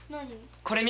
これ見て。